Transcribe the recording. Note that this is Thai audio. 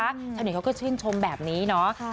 มีมาทุกคนชื่นชมแบบนี้เนาะ